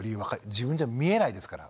自分じゃ見えないですから。